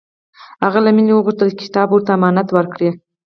هغه له مینې وغوښتل چې کتاب ورته امانت ورکړي